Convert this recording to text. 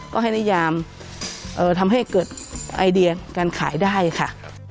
ก็ให้นิยามทำให้เกิดไอเดียการขายได้ค่ะ